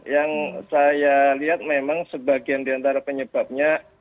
yang saya lihat memang sebagian diantara penyebabnya